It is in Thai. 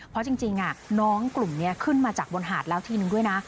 เพราะจริงน้องกลุ่มนี้ขึ้นมาจากบนหาดแล้วทีนึงด้วยนะ